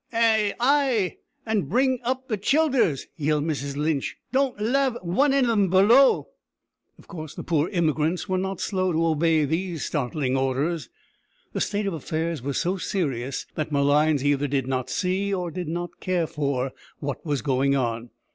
"Ay, an' bring up the childers," yelled Mrs Lynch. "Don't lave wan o' thim below." Of course, the poor emigrants were not slow to obey these startling orders. The state of affairs was so serious that Malines either did not see, or did not care for, what was going on.